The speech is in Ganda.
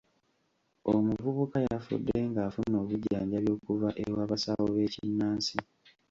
Omuvubuka yafudde ng'afuna obujjanjabi okuva ew'abasawo b'ekinnansi.